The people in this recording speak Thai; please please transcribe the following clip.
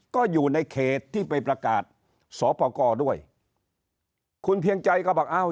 ก็อยู่ในเขตที่ไปประกาศสอปกรด้วยคุณเพียงใจก็บอกอ้าว